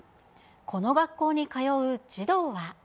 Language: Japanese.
この学校に通う児童は。